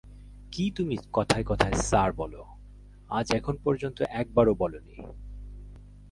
কী তুমি কথায়-কথায় স্যার বল, আজ এখন পর্যন্ত একবারও বল নি।